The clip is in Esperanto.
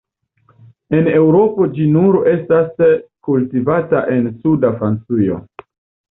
En Eŭropo ĝi nur estas kultivata en suda Francujo.